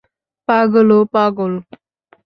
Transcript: পাগল ও পাগল।